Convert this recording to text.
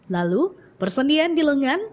lalu persendian di lengan